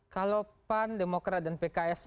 kalau pan demokrat dan pks